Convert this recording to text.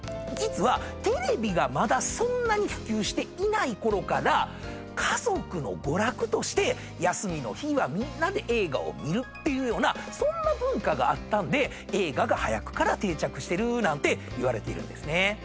実はテレビがまだそんなに普及していないころから家族の娯楽として休みの日はみんなで映画を見るっていうようなそんな文化があったんで映画が早くから定着してるなんていわれているんですね。